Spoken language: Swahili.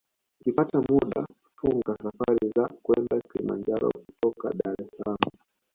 Ukipata muda funga safari za kwenda Kilimanjaro kutoka Dar es Salaam